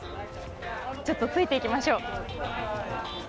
ちょっとついていきましょう。